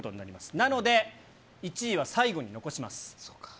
なので、１位は最後に残します。